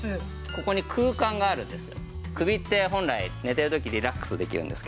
ここに空間があるんです。